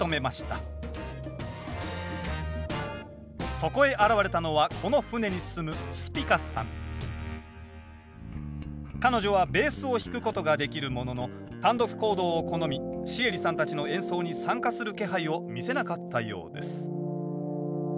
そこへ現れたのはこの船に住む彼女はベースを弾くことができるものの単独行動を好みシエリさんたちの演奏に参加する気配を見せなかったようです